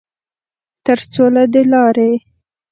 ترڅوله دې لارې